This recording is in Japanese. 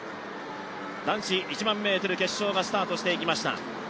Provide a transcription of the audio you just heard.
男子１００００ｍ決勝がスタートしていきました。